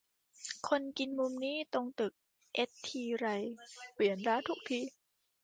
จะกินมุมนี้ตรงตึกเอททีไร เปลี่ยนร้านทุกที